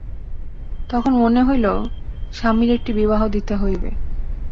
তখন মনে হইল, স্বামীর একটি বিবাহ দিতে হইবে।